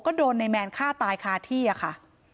ก็โดนในแมนฆ่าตายคาที่อะค่ะ